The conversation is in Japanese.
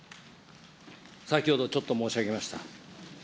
先ほどちょっと申し上げました。